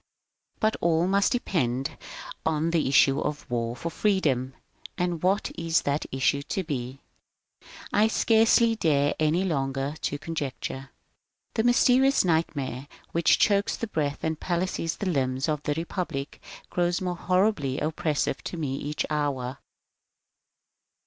But all must depend on the issue of the war for Freedom. And what is that issue to be ? I scarcely dare, any longer, to conjecture. This mysterious nightmare, which chokes the breath and palsies the limbs of the Republic, grows more horribly oppressive to me each hour.